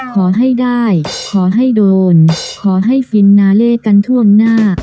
ขอให้ได้ขอให้โดนขอให้ฟินนาเล่กันท่วงหน้า